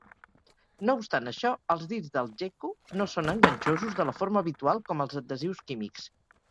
No obstant això, els dits del geco no són enganxosos de la forma habitual com els adhesius químics.